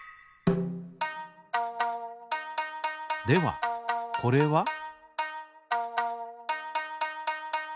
ではこれは？